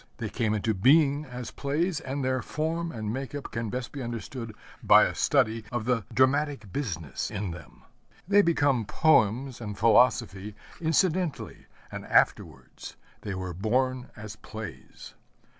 They came into being as plays, and their form and make up can best be understood by a study of the dramatic business in them. They become poems and philosophy incidentally, and afterwards: they were born as plays.